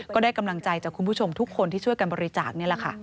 ก็ได้กำลังใจจากคุณผู้ชมทุกคนที่ช่วยกันบริจาคนี่แหละค่ะ